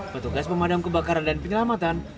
petugas pemadam kebakaran dan penyelamatan